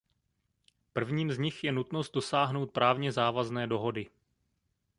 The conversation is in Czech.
Prvním z nich je nutnost dosáhnout právně závazné dohody.